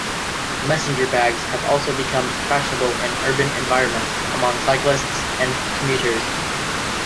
Messenger bags have also become fashionable in urban environments, among cyclists and commuters.